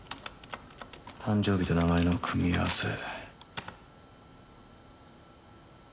誕生日と名前の組み合わせ。